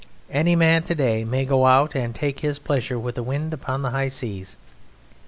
Any man to day may go out and take his pleasure with the wind upon the high seas.